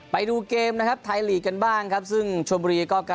ไปดูเกมนะครับไทยลีกกันบ้างครับซึ่งชมบุรีก็การ